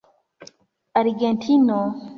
argentino